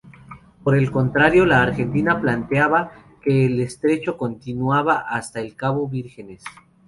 Por el contrario la Argentina planteaba que el estrecho continuaba hasta el Cabo Vírgenes.